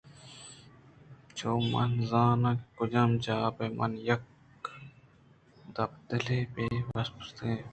چو من زاناں کہ کجام جاہ ءَ پہ من یک نپادے پہ وپسگ ءَ است